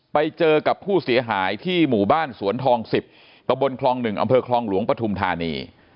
ไปเจอกับผู้เสียหายที่หมู่บ้านสวนทอง๑๐ตะบนคลอง๑อำเภอคลองหลวงปฐุมธานี